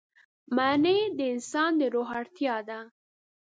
معنی د انسان د روح اړتیا ده.